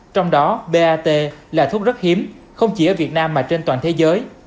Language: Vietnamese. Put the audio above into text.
trong đó bat là thuốc rất hiếm không chỉ ở việt nam mà trên toàn thế giới